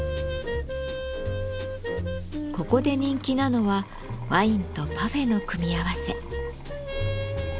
ここで人気なのはワインとパフェの組み合わせ。